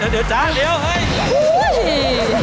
เดี๋ยวจ๊ะเดี๋ยวเฮ้ย